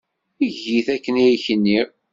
Eg-it akken ay ak-nniɣ.